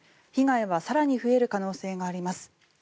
被害は更に増える可能性があります。